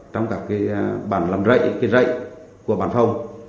trong các cái bản làm rậy cái rậy của bàn phòng